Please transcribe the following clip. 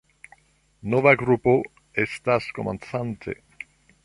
Nova grupo estas komencante.